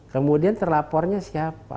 kemudian terlapornya siapa